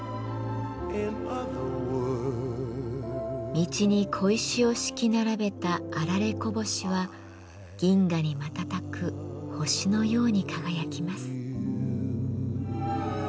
道に小石を敷き並べた霰こぼしは銀河に瞬く星のように輝きます。